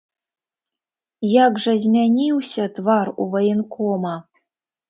Як жа змяніўся твар у ваенкома!